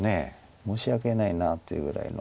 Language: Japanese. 「申し訳ないな」っていうぐらいの。